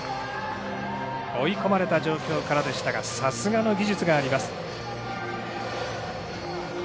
追い込まれた状況からでしたがさすがの技術があります。